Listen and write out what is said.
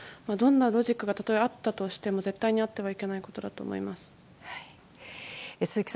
どんなロジックが例えあったとしても絶対にあってはいけないことだと思います。